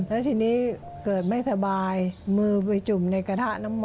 แล้วทีนี้เกิดไม่สบายมือไปจุ่มในกระทะน้ำมน